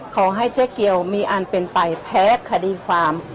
ขอให้เจ๊เกียวมีอันเป็นไปแพ้คดีความ